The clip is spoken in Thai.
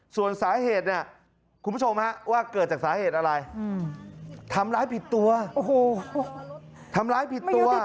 ส่วนสาเหตุคุณผู้ชมว่าเกิดจากสาเหตุอะไร